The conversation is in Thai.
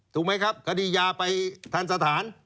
ถูกไหมครับคดียาไปทันสถาน